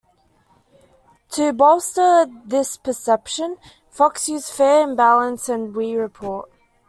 To bolster this perception, Fox used "Fair and Balanced" and "We Report.